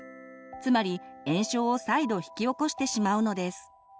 つまり炎症を再度引き起こしてしまうのです。